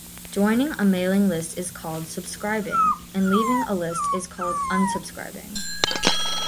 Joining a mailing list is called "subscribing" and leaving a list is called "unsubscribing".